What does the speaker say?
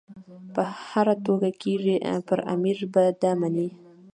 په هره توګه کېږي پر امیر به دا مني.